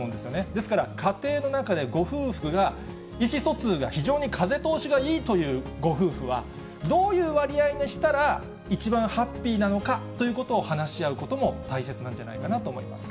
ですから、家庭の中で、ご夫婦が意思疎通が非常に風通しがいいというご夫婦は、どういう割合にしたら、一番ハッピーなのかということを話し合うことも大切なんじゃないかなと思います。